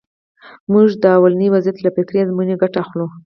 موږ د لومړني وضعیت له فکري ازموینې ګټه اخلو.